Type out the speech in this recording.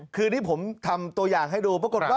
คือนี้ผมทำตัวอย่างให้ดู